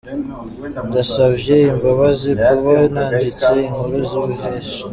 "Ndasavye imbabazi kuba nanditse inkuru z'ububeshi.